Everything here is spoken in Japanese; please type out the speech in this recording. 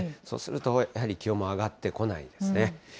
そうするとやはり気温も上がってこないですね。